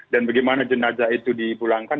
dan bagaimana jenazah itu dipulangkan